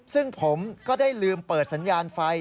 ซึ่งผมก็ได้ลืมเปิดสัญญาณไฟ